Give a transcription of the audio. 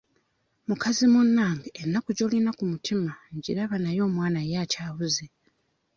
Mukazi munnange ennaku gy'olina ku mutima ngiraba naye omwana ye akyabuze.